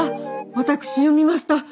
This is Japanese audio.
私読みました。